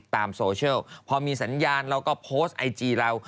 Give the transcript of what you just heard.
ตามโซเชียลพอมีสัญญาณเราก็โพสต์ไอจีเรา